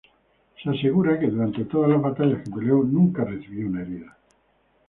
Se asegura que durante todas las batallas que peleó, nunca recibió una herida.